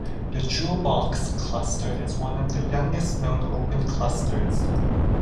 The Jewel Box cluster is one of the youngest known open clusters.